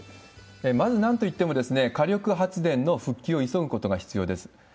まず、なんといっても火力発電の復旧を急ぐことが必要です。